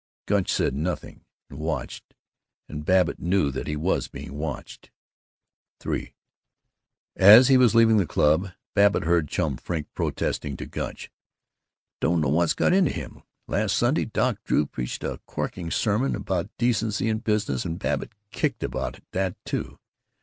Gunch said nothing, and watched; and Babbitt knew that he was being watched. III As he was leaving the club Babbitt heard Chum Frink protesting to Gunch, " don't know what's got into him. Last Sunday Doc Drew preached a corking sermon about decency in business and Babbitt kicked about that, too.